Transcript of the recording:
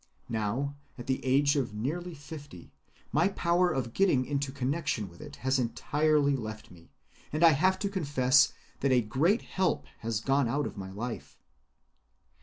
Now, at the age of nearly fifty, my power of getting into connection with it has entirely left me; and I have to confess that a great help has gone out of my life.